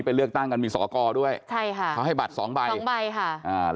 เขาจะมีติดเบอร์เอาไว้ให้ไปดูเพิ่มมั่นใจก่อน